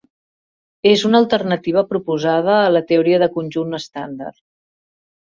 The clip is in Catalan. És una alternativa proposada a la teoria de conjunt estàndard.